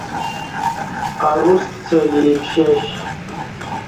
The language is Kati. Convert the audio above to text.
اروس کڅہ لی پشش